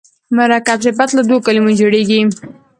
مرکب صفت له دوو کلمو جوړیږي.